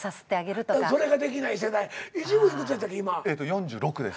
４６です。